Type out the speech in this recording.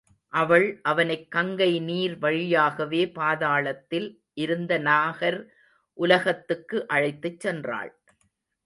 அவள் அவனைக் கங்கை நீர் வழியாகவே பாதளத்தில் இருந்த நாகர் உலகத்துக்கு அழைத்துச் சென்றாள்.